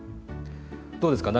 どうですか？